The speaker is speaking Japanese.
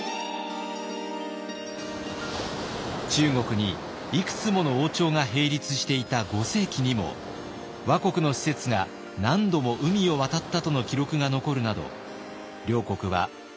中国にいくつもの王朝が並立していた５世紀にも倭国の使節が何度も海を渡ったとの記録が残るなど両国は活発な交流を重ねてきました。